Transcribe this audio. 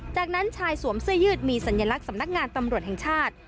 จากนั้นชายสวมเสื้อยืดมีสัญลักษณ์สำนักงานตำรวจแห่งชาติ